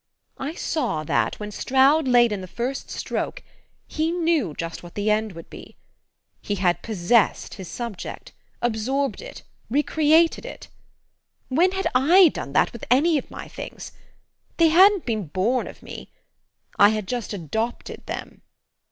I saw that, when Stroud laid in the first stroke, he knew just what the end would be. He had possessed his subject, absorbed it, recreated it. When had I done that with any of my things? They hadn't been born of me I had just adopted them....